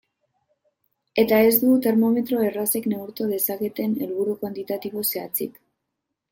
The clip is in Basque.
Eta ez du termometro errazek neurtu dezaketen helburu kuantitatibo zehatzik.